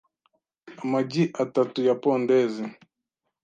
Amagi atatu ya pondezi